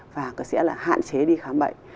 và sẽ là hạn chế đi khám bệnh